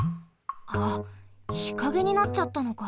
あっ日陰になっちゃったのか。